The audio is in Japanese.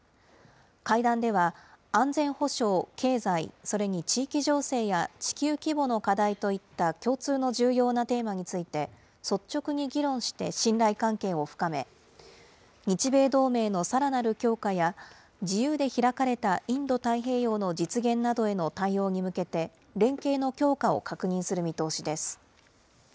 会談では、安全保障、経済、それに地域情勢や地球規模の課題といった共通の重要なテーマについて、率直に議論して信頼関係を深め、日米同盟のさらなる強化や自由で開かれたインド太平洋の実現などへの対応に向けて、連携の強化を確認する見通しです。